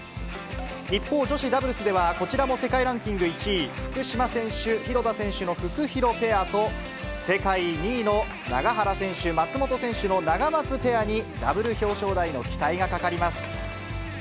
一方、女子ダブルスでは、こちらも世界ランキング１位、福島選手、廣田選手のフクヒロペアと、世界２位の永原選手、松元選手のナガマツペアに、ダブル表彰台の期待がかかります。